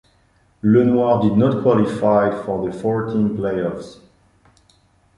Lenoir did not qualify for the four–team playoffs.